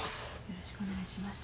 よろしくお願いします。